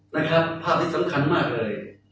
นะครับภาพที่สำคัญมากเลย